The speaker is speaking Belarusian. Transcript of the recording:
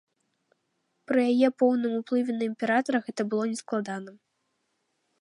Пры яе поўным уплыве на імператара гэта было нескладана.